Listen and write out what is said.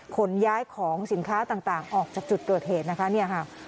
ขนย้ายของสินค้าต่างออกจากจุดเกิดเหตุนะคะเนี่ยค่ะ